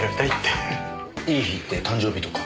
いい日って誕生日とか？